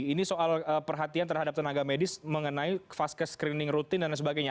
ini soal perhatian terhadap tenaga medis mengenai fast case screening rutin dan sebagainya